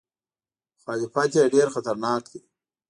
مخالفت یې ډېر خطرناک دی.